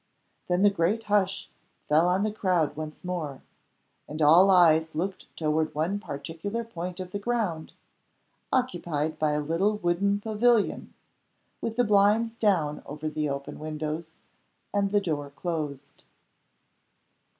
Then the great hush fell on the crowd once more, and all eyes looked toward one particular point of the ground, occupied by a little wooden pavilion, with the blinds down over the open windows, and the door closed.